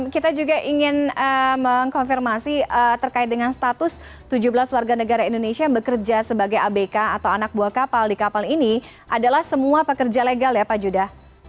kita juga ingin mengkonfirmasi terkait dengan status tujuh belas warga negara indonesia yang bekerja sebagai abk atau anak buah kapal di kapal ini adalah semua pekerja legal ya pak judah